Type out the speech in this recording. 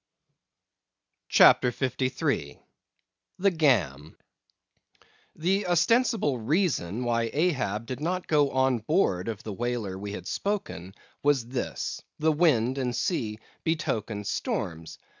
CHAPTER 53. The Gam. The ostensible reason why Ahab did not go on board of the whaler we had spoken was this: the wind and sea betokened storms.